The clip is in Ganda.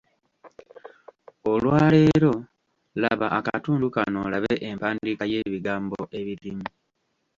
Olwaleero laba akatundu kano olabe empandiika y’ebigambo ebirimu.